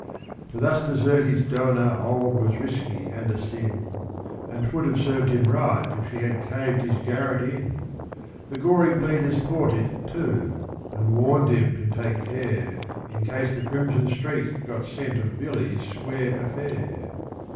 To thus desert his donah old was risky and a sin, And 'twould have served him right if she had caved his garret in. The Gory Bleeders thought it too, and warned him to take care In case the Crimson Streak got scent of Billy's square affair.